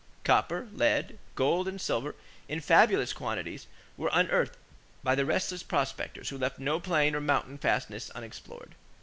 Copper, lead, gold, and silver in fabulous quantities were unearthed by the restless prospectors who left no plain or mountain fastness unexplored.